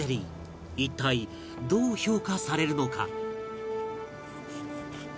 一体どう評価されるのか？